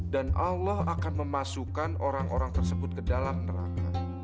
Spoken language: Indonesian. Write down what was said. allah akan memasukkan orang orang tersebut ke dalam neraka